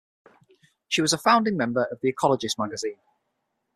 She was a founding member of "The Ecologist" magazine.